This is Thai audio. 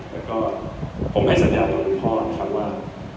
แล้วก็ผมให้สัญญาต่อคุณพ่อนะครับว่า